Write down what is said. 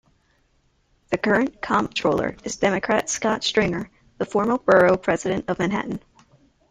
The current comptroller is Democrat Scott Stringer, the former Borough President of Manhattan.